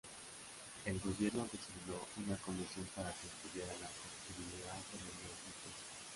El gobierno designó una comisión para que estudiara la factibilidad de la unión propuesta.